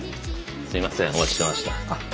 すいませんお待ちしてました。